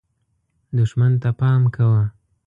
دښمن ته پام کوه .